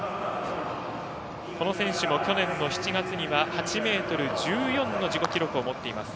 この選手も去年の７月には８ｍ１４の自己記録を持っています。